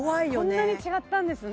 こんなに違ったんですね